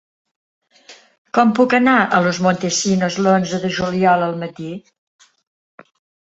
Com puc anar a Los Montesinos l'onze de juliol al matí?